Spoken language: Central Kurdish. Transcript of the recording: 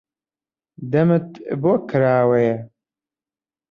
دەمت بۆ کراوەیە؟